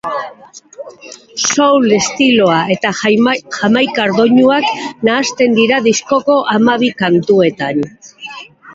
Soul estiloa eta jamaikar doinuak nahasten dira diskoko hamabi kantuetan.